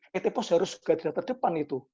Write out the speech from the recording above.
pt pos harus garda terdepan itu